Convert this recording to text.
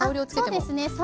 あっそうですね。